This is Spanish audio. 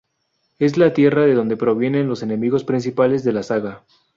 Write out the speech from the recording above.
Es la tierra de donde provienen los enemigos principales de la saga.